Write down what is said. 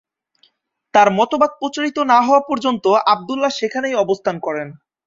তাঁর মতবাদ প্রচারিত না হওয়া পর্যন্ত আব্দুল্লাহ সেখানেই অবস্থান করেন।